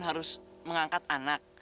harus mengangkat anak